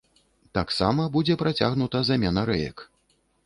Таксама будзе працягнута замена рэек.